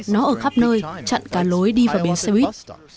nó ở khắp nơi chặn cả lối đi vào biên xe huyết